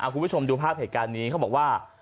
คุณผู้ชมดูภาพเหตุการณ์นี้เขาบอกว่า